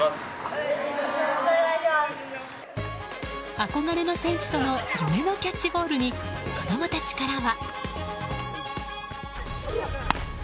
憧れの選手との夢のキャッチボールに子供たちからは。